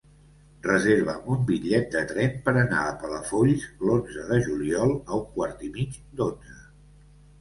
Reserva'm un bitllet de tren per anar a Palafolls l'onze de juliol a un quart i mig d'onze.